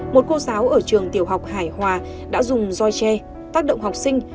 một cô giáo ở trường tiểu học hải hòa đã dùng roi tre tác động học sinh